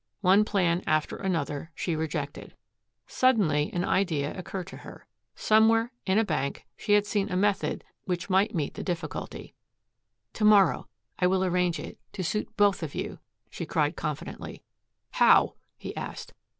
One plan after another she rejected. Suddenly an idea occurred to her. Somewhere, in a bank, she had seen a method which might meet the difficulty. "To morrow I will arrange it to suit both of you," she cried confidently. "How?" he asked.